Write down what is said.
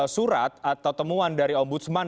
surat atau temuan dari ombudsman